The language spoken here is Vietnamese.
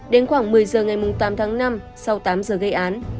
đến khoảng một mươi giờ ngày tám tháng năm sau tám giờ gây án